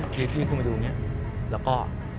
ยืดขึ้นมาดูเนี่ยแล้วก็